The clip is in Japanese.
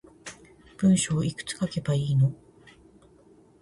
文章いくつ書けばいいの